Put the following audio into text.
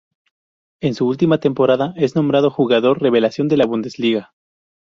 En su última temporada, es nombrado jugador revelación de la Bundesliga.